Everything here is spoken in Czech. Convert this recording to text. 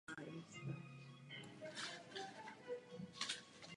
Zde už neuspěl a vzdal po první disciplíně.